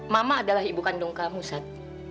mama adalah ibu kandung kamu sat